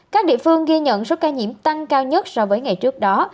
các địa phương ghi nhận số ca nhiễm tăng cao nhất so với ngày trước đó